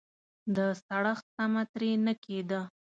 د سړښت تمه ترې نه کېده.